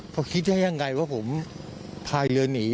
เขาคิดได้อย่างไรว่าผมทายเลือนหนี